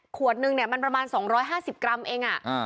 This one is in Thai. ขวดหนึ่งเนี่ยมันประมาณสองร้อยห้าสิบกรัมเองอ่ะอ่า